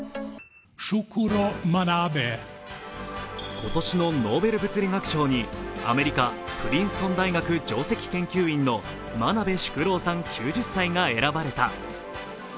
今年のノーベル物理学賞にアメリカ・プリンストン大学上席研究員の、真鍋淑郎さん９０歳が選ばれた。